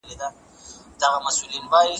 ایا مسلکي بڼوال انځر اخلي؟